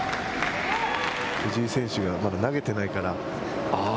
藤井選手がまだ投げてないから。